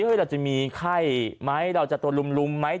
เราจะมีไข้ไหมเราจะตัวลุมไหม